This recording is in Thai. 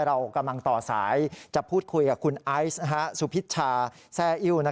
เรากำลังต่อสายจะพูดคุยกับคุณไอซ์สุพิชชาแซ่อิ้ว